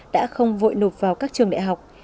đã không vội nộp vào các trường đại học